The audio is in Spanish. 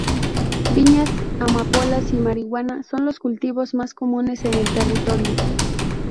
Viñas, amapolas y marihuana son los cultivos más comunes en el territorio.